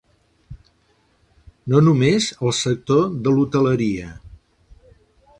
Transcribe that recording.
No només el sector de l’hoteleria.